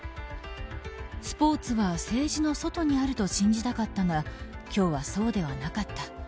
スポーツは、政治の外にあると信じたかったが今日はそうではなかった。